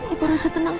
ibu rasa tenang